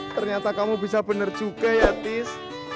ternyata kamu bisa benar juga ya tis